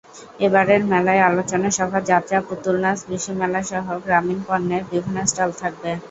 এবারের মেলায় আলোচনা সভা, যাত্রা, পুতুলনাচ, কৃষিমেলাসহ গ্রামীণ পণ্যের বিভিন্ন স্টল থাকবে।